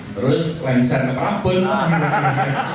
terus lengser ke prabowo